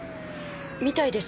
みたいです。